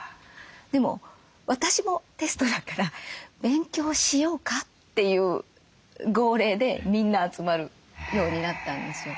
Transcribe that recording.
でも私もテストだから「勉強しようか」っていう号令でみんな集まるようになったんですよ。